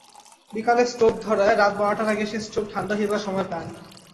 বিকালে স্টোভ ধরায়, রাত বারোটার আগে সে স্টোভ ঠাণ্ডা হইবার সময় পায় না।